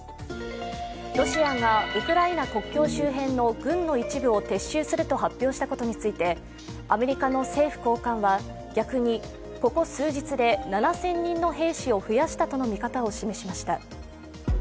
ロシアがウクライナ国境周辺の軍の一部を撤収すると発表したことについてアメリカの政府高官は、逆にここ数日で７０００人の兵士を増やしたとの見方を示しました。